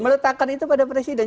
meletakkan itu pada presiden